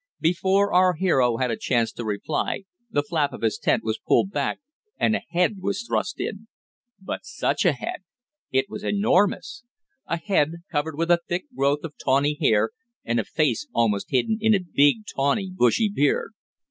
Before our hero had a chance to reply the flap of his tent was pulled back, and a head was thrust in. But such a head! It was enormous! A head covered with a thick growth of tawny hair, and a face almost hidden in a big tawny, bushy beard.